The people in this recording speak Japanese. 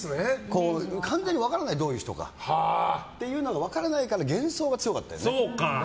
完全にどういう人かっていうのが分からないから幻想が強かったよね。